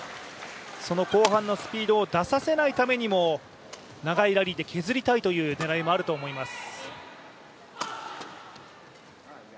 その後半のスピードを出させないためにも長いラリーで削りたいという狙いもあると思います。